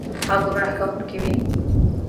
او ګمراه کوونکې وي.